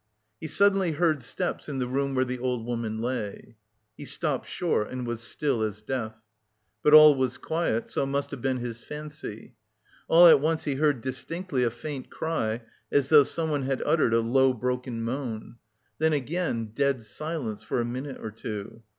He suddenly heard steps in the room where the old woman lay. He stopped short and was still as death. But all was quiet, so it must have been his fancy. All at once he heard distinctly a faint cry, as though someone had uttered a low broken moan. Then again dead silence for a minute or two.